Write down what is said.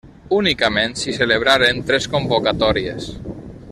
Únicament s'hi celebraren tres convocatòries.